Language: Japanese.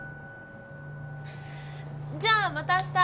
じゃあまたあした。